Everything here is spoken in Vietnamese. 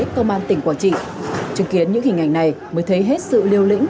công an tỉnh quảng trị chứng kiến những hình ảnh này mới thấy hết sự liêu lĩnh